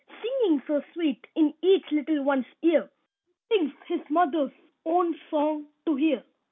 Singing so sweet in each little one's ear, He thinks his mother's own song to hear.